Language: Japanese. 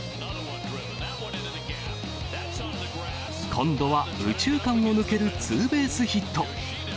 今度は右中間を抜けるツーベースヒット。